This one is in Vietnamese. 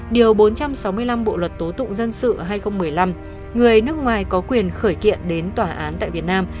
điều bốn trăm sáu mươi năm bộ luật tố tụng dân sự hai nghìn một mươi năm người nước ngoài có quyền khởi kiện đến tòa án tại việt nam